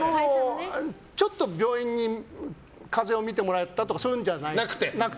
ちょっと病院に風邪を診てもらったとかそういうんじゃなくて。